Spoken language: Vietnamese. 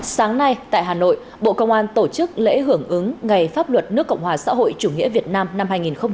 sáng nay tại hà nội bộ công an tổ chức lễ hưởng ứng ngày pháp luật nước cộng hòa xã hội chủ nghĩa việt nam năm hai nghìn hai mươi ba